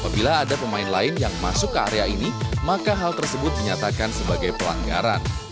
apabila ada pemain lain yang masuk ke area ini maka hal tersebut dinyatakan sebagai pelanggaran